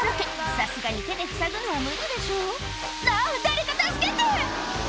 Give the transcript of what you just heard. さすがに手でふさぐのは無理でしょ「あぁ誰か助けて！」